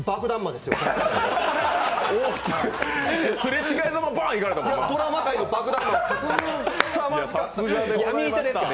すれ違いざま、ばーっといかれたもんね。